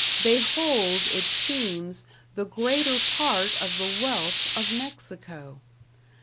They hold, it seems, the greater part of the wealth of Mexico.